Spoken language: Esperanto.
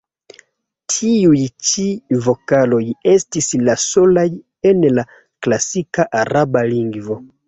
Tiuj ĉi vokaloj estis la solaj en la klasika araba lingvo.